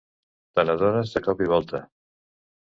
Te n'adones de cop i volta.